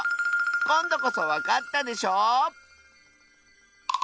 こんどこそわかったでしょ？